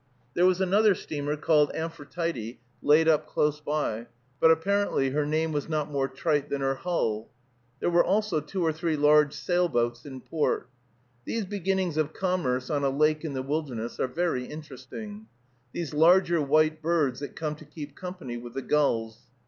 There was another steamer, named Amphitrite, laid up close by; but, apparently, her name was not more trite than her hull. There were also two or three large sailboats in port. These beginnings of commerce on a lake in the wilderness are very interesting, these larger white birds that come to keep company with the gulls.